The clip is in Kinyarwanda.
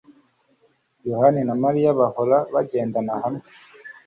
Yohana na Mariya bahora bagendana hamwe